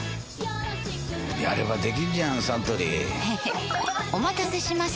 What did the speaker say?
やればできんじゃんサントリーへへっお待たせしました！